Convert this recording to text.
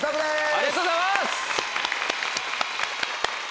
ありがとうございます！